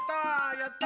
やった！